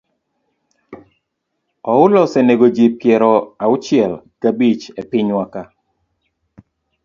Oula osenego ji piero auchiel gabich e pinywa ka.